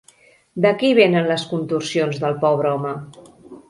D'aquí vénen les contorsions del pobre home!